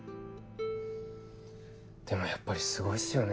でもやっぱりすごいっすよね